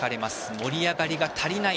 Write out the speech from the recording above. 盛り上がりが足りない